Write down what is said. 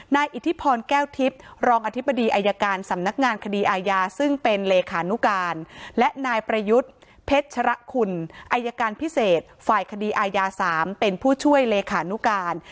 อิทธิพรแก้วทิพย์รองอธิบดีอายการสำนักงานคดีอาญาซึ่งเป็นเลขานุการและนายประยุทธ์เพชรคุณอายการพิเศษฝ่ายคดีอายา๓เป็นผู้ช่วยเลขานุการ